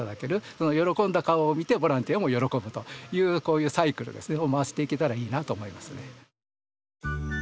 その喜んだ顔を見てボランティアも喜ぶというこういうサイクルを回していけたらいいなと思いますね。